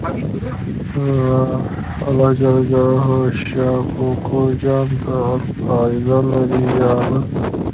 الله شا کوکو جان ته القاعده لرې یا نه؟